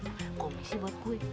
apa komisi buat gue